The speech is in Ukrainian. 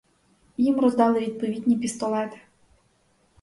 Їм роздали відповідні пістолети.